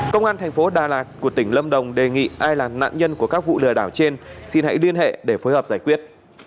công an thành phố đà lạt của tỉnh lâm đồng đề nghị ai là nạn nhân của các vụ lừa đảo trên xin hãy liên hệ để phối hợp giải quyết